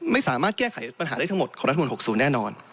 ไม่สามารถแก้ไขปัญหาได้ทั้งหมดของรัฐมน๖๐แน่นอน